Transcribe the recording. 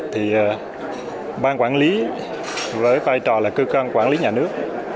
thì ban quản lý với vai trò là cơ quan quản lý nhà nước